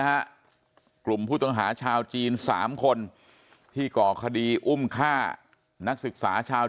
ฮะกลุ่มผู้ต้องหาชาวจีน๓คนที่ก่อคดีอุ้มฆ่านักศึกษาชาว